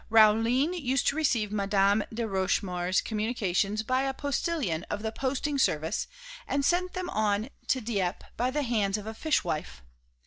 Rauline used to receive Madame de Rochemaure's communications by a postilion of the posting service and send them on to Dieppe by the hands of a fishwife.